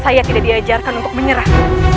saya tidak diajarkan untuk menyerah